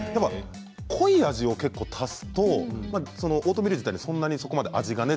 濃い味を結構足すとオートミール自体にそんなにそこまで味がね